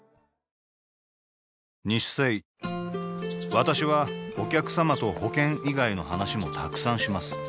私はお客様と保険以外の話もたくさんします